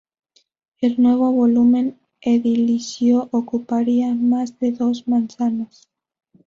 El nuevo volumen edilicio ocuparía más de dos manzanas.